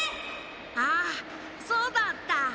ああそうだった！